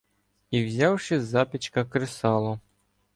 І взявши з запічка кресало